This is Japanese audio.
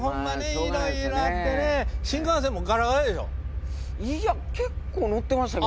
いや結構乗ってましたけどね。